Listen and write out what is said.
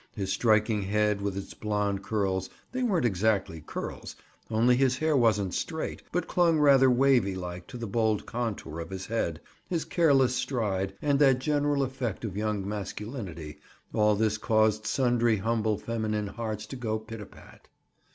His striking head with its blond curls—they weren't exactly curls, only his hair wasn't straight, but clung rather wavy like to the bold contour of his head—his careless stride, and that general effect of young masculinity—all this caused sundry humble feminine hearts to go pit a pat.